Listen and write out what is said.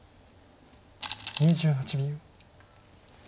２８秒。